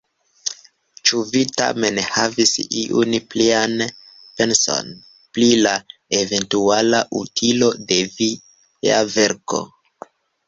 Ĉu vi tamen havis iun plian penson, pri la eventuala utilo de via verko?